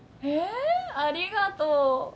えぇありがとう。